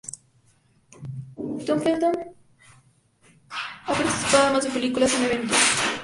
Tom Felton ha participado, además de películas, en eventos de caridad.